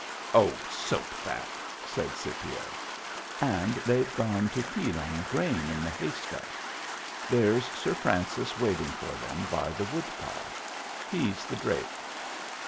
" Oh, soap fat !" said Scipio. " And they've gone to feed on the grain in the haystack. There's Sir Francis waiting for them by the woodpile. He's the drake."